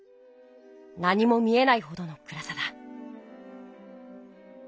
何も見えないほどのくらさだ。